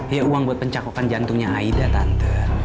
ya uang buat pencakokan jantungnya aida tante